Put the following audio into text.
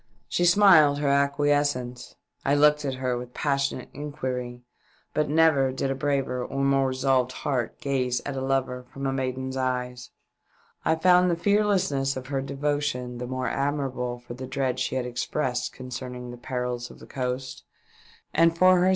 She smiled her acquiescence. I looked at her with passionate inquiry, but never did a braver and more resolved heart gaze at a lover from a maiden's eyes. I found the fearlessness of her devotion the more admir able for the dread she had expressed con cerning the perils of the coast, and for her 2 u 466 THE DEATH ship.